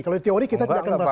kita tidak akan merasa selesai